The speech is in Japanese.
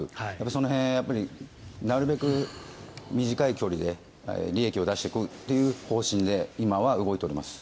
その辺、なるべく短い距離で利益を出していくっていう方針で今は動いております。